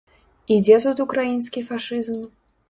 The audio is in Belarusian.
І дзе тут украінскі фашызм?